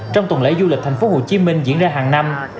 trong tuần lễ du lịch tp hcm diễn ra hàng năm